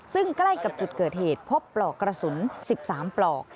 ซึ่งใกล้กับจุดเกิดเหตุพบปลอกกระสุน๑๓ปลอก